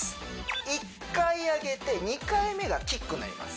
１回上げて２回目がキックになります